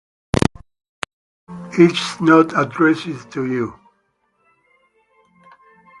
It is not addressed to you.